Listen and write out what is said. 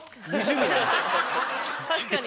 確かに。